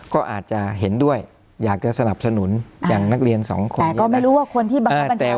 ก็อาจจะเห็นด้วยอยากจะสนับสนุนอย่างนักเรียนสองคนแต่ก็ไม่รู้ว่าคนที่บังคับบัญชา